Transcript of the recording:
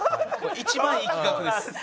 一番いい企画です。